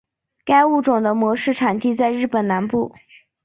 该物种的模式产地在日本南部。